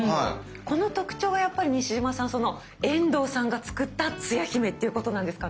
この特徴はやっぱり西島さん遠藤さんが作ったつや姫っていうことなんですかね。